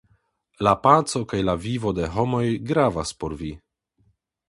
La paco kaj la vivo de homoj gravas por vi.